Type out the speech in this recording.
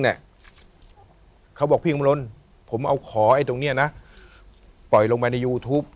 เขาบอกพี่คำรณผมเอาขอไอ้ตรงเนี้ยนะปล่อยลงไปในยูทูป